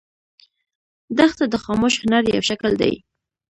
دښته د خاموش هنر یو شکل دی.